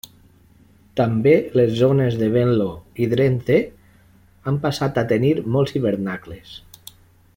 També les zones de Venlo i Drenthe han passat a tenir molts hivernacles.